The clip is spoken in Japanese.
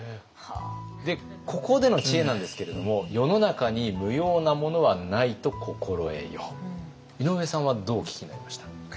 ここでの知恵なんですけれども井上さんはどうお聞きになりました？